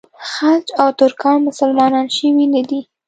خلج او ترکان مسلمانان شوي نه دي.